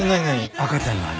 赤ちゃんの話？